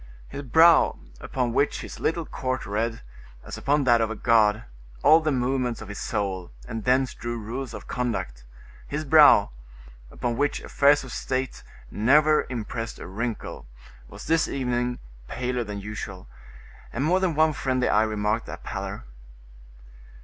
His brow, upon which his little court read, as upon that of a god, all the movements of his soul, and thence drew rules of conduct,—his brow, upon which affairs of state never impressed a wrinkle, was this evening paler than usual, and more than one friendly eye remarked that pallor.